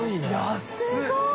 安い！